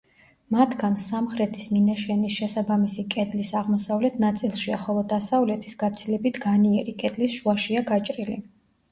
მათგან სამხრეთის მინაშენის შესაბამისი კედლის აღმოსავლეთ ნაწილშია, ხოლო დასავლეთის, გაცილებით განიერი, კედლის შუაშია გაჭრილი.